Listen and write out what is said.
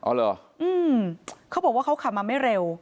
อ๋อเหรออืมเขาบอกว่าเขาขับมาไม่เร็ว